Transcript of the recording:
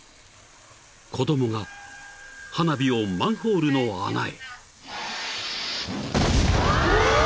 ［子供が花火をマンホールの穴へ］